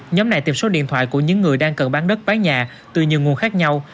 nhóm này tìm số điện thoại của những người đang cần bán đất bán nhà từ nhiều nguồn khác nhau